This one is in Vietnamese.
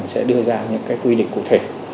sẽ đưa ra những cái quy định cụ thể